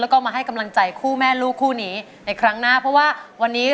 แล้วมาให้กำลังใจคู่แม่ลูกคู่หนี